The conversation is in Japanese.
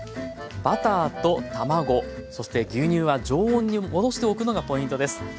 バターと卵そして牛乳は常温に戻しておくのがポイントです。